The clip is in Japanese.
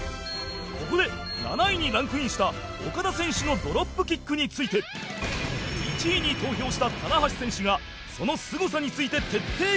ここで７位にランクインしたオカダ選手のドロップキックについて１位に投票した棚橋選手がそのすごさについて徹底解説！